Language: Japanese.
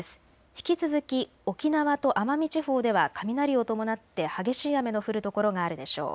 引き続き沖縄と奄美地方では雷を伴って激しい雨の降る所があるでしょう。